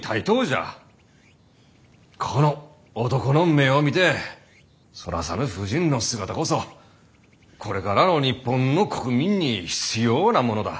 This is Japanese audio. この男の目を見てそらさぬ婦人の姿こそこれからの日本の国民に必要なものだ。